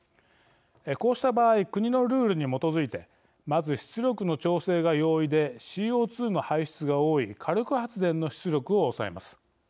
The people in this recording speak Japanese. こうした場合国のルールに基づいてまず、出力の調整が容易でＣＯ２の排出が多い火力発電の出力を抑えます。